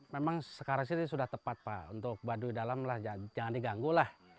memang sekarang sih sudah tepat pak untuk baduy dalam lah jangan diganggu lah